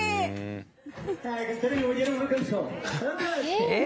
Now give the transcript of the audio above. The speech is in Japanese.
えっ？